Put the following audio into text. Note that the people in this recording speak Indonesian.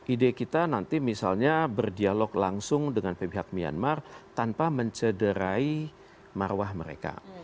ide kita nanti misalnya berdialog langsung dengan pihak myanmar tanpa mencederai marwah mereka